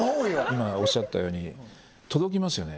今おっしゃったように届きますよね